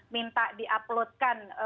minta di uploadkan